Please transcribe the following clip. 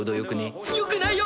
よくないよ！